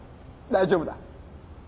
大丈夫だ。